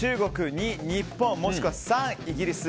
２、日本もしくは３、イギリス。